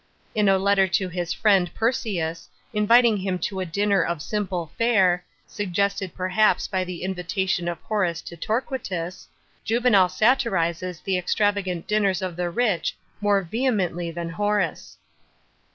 * In a 1 ttt r to his friend Persicus, invithus him to a dinner of simple fare — suggested perhaps by the invitation of Horace to Torqiuitusf— Juvenal satirizes the extravagant dinners of the rich,J n^oro vehemently than Horace.